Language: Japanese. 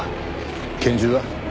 拳銃は？